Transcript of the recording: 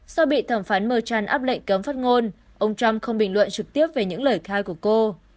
do bị thẩm phán mờ tran áp lệnh cấm phát ngôn ông trump không bình luận trực tiếp về những lời khai của cô